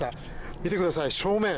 見てください、正面。